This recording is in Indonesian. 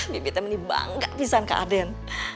bibi temennya bangga pisang kak den